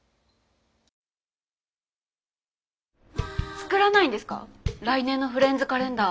作らないんですか来年のフレンズカレンダー。